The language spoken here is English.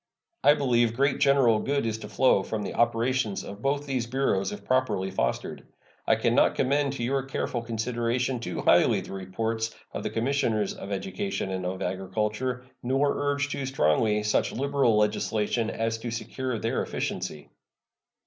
I believe great general good is to flow from the operations of both these Bureaus if properly fostered. I can not commend to your careful consideration too highly the reports of the Commissioners of Education and of Agriculture, nor urge too strongly such liberal legislation as to secure their efficiency.